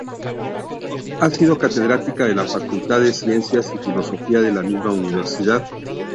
Ha sido catedrática de la Facultad de Ciencias y Filosofía de la misma universidad.